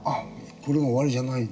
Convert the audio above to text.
「これは終わりじゃないんだ。